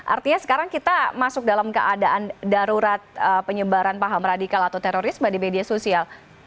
artinya sekarang kita masuk dalam keadaan darurat penyebaran paham radikal atau terorisme di media sosial